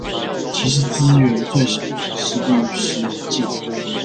其實資源最少的是律師界